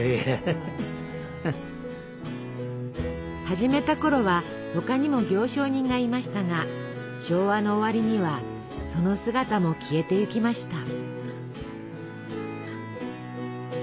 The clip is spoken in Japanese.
始めたころは他にも行商人がいましたが昭和の終わりにはその姿も消えていきました。